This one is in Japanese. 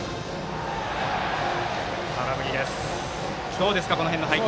どうですか配球。